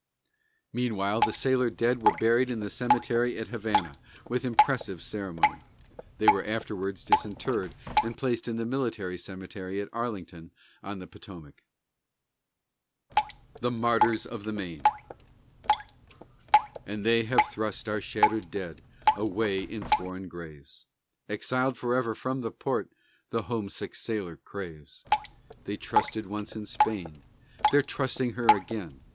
Meanwhile, the sailor dead were buried in the cemetery at Havana, with impressive ceremony. They were afterwards disinterred and placed in the military cemetery at Arlington on the Potomac. THE MARTYRS OF THE MAINE And they have thrust our shattered dead away in foreign graves, Exiled forever from the port the homesick sailor craves! They trusted once in Spain, They're trusting her again!